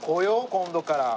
今度から。